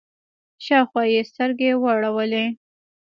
شاوخوا يې سترګې واړولې.